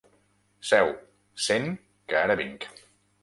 Seu, sent, que ara vinc.